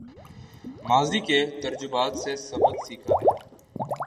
ماضی کے تجربات سے سبق سیکھا ہے